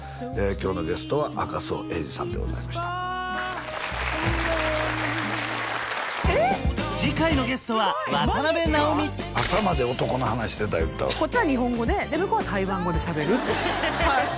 今日のゲストは赤楚衛二さんでございました次回のゲストは朝まで男の話してた言うてたわこっちは日本語で向こうは台湾語でしゃべるああヤダ！